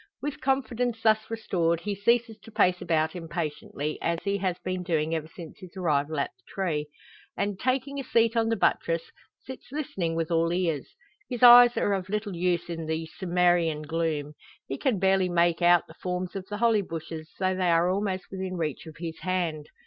With confidence thus restored, he ceases to pace about impatiently, as he has been doing ever since his arrival at the tree; and, taking a seat on the buttress, sits listening with all ears. His eyes are of little use in the Cimmerian gloom. He can barely make out the forms of the holly bushes, though they are almost within reach of his hand.